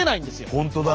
本当だ！